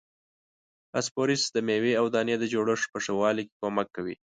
فاسفورس د میوې او دانې د جوړښت په ښه والي کې کومک کوي.